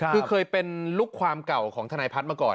คือเคยเป็นลูกความเก่าของทนายพัฒน์มาก่อน